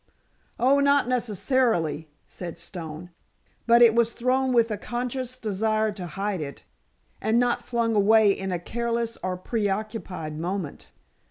"Oh, not necessarily," said Stone. "But it was thrown with a conscious desire to hide it, and not flung away in a careless or preoccupied moment."